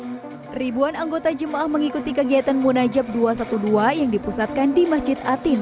hai ribuan anggota jemaah mengikuti kegiatan munajab dua ratus dua belas yang dipusatkan di masjid atin